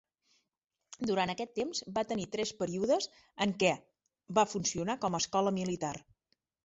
Durant aquest temps, va tenir tres períodes en què va funcionar com a escola militar.